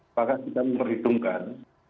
apakah kita memperhitungkan